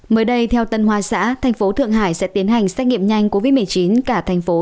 mới đây theo tân hoa xã thành phố thượng hải sẽ tiến hành xét nghiệm nhanh covid một mươi chín cả thành phố